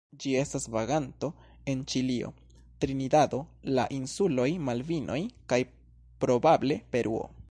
Ĝi estas vaganto en Ĉilio, Trinidado, la insuloj Malvinoj kaj probable Peruo.